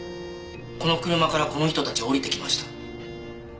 この車からこの人たち降りてきました。